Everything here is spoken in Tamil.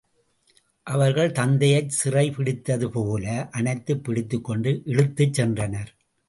அவர்கள் தந்தையை சிறை பிடித்தது போல, அணைத்துப் பிடித்துக்கொண்டு இழுத்துச் சென்றனர்.